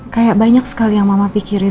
kayak banyak sekali yang mama pikirin